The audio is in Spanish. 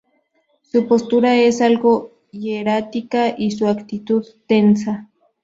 Su postura es algo hierática, y su actitud tensa.